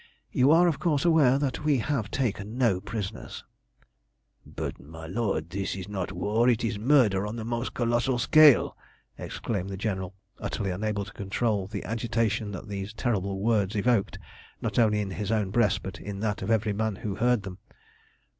You are, of course, aware that we have taken no prisoners" "But, my lord, this is not war, it is murder on the most colossal scale!" exclaimed the General, utterly unable to control the agitation that these terrible words evoked, not only in his own breast, but in that of every man who heard them.